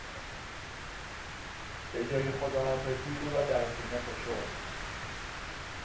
به جای خداحافظی او را در سینه فشرد.